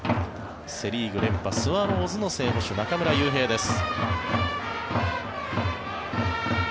セ・リーグ連覇スワローズの正捕手中村悠平です。